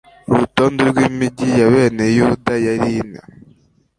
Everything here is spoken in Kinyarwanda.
urutonde rw'imigi ya bene yuda yari ine